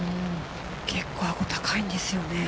結構、アゴ高いんですよね。